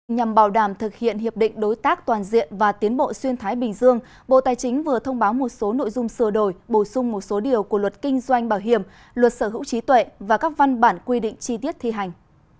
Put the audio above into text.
nhằm bảo đảm thực hiện hiệp định đối tác toàn diện và tiến bộ xuyên thái bình dương bộ tài chính vừa thông báo một số nội dung sửa đổi bổ sung một số điều của luật kinh doanh bảo hiểm luật sở hữu trí tuệ và các văn bản quy định chi tiết thi hành